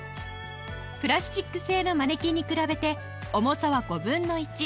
プラスチック製のマネキンに比べて重さは５分の１